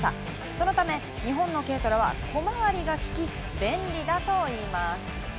そのため、日本の軽トラは小回りが利き、便利だといいます。